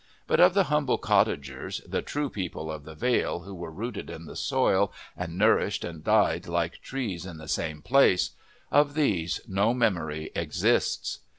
But of the humble cottagers, the true people of the vale who were rooted in the soil, and nourished and died like trees in the same place of these no memory exists.